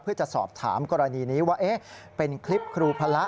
เพื่อจะสอบถามกรณีนี้ว่าเป็นคลิปครูพระ